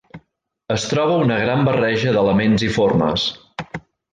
Es troba una gran barreja d'elements i formes.